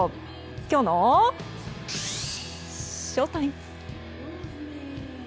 きょうのＳＨＯＴＩＭＥ！